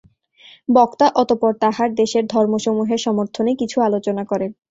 বক্তা অতঃপর তাঁহার দেশের ধর্মসমূহের সমর্থনে কিছু আলোচনা করেন।